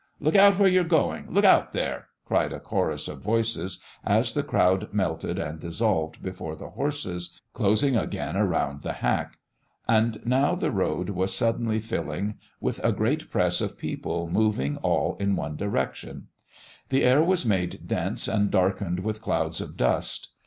"Look out where you're going! Look out there!" cried a chorus of voices, as the crowd melted and dissolved before the horses, closing again around the hack. And now the road was suddenly filling with a great press of people moving all in one direction; the air was made dense and darkened with clouds of dust.